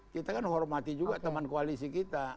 kita kan hormati juga teman koalisi kita